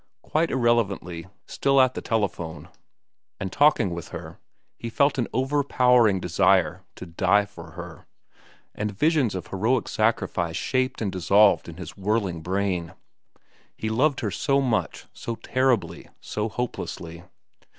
Quite irrelevantly, still at the telephone and talking with her, he felt an overpowering desire to die for her, and visions of heroic sacrifice shaped and dissolved in his whirling brain. He loved her so much, so terribly, so hopelessly.